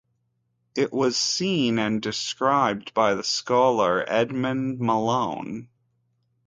It was seen and described by the scholar Edmond Malone.